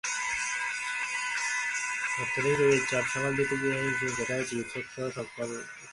অত্যধিক রোগীর চাপ সামাল দিতে গিয়ে হিমশিম খেতে হয় চিকিৎসকসহ সংশ্লিষ্ট সবাইকে।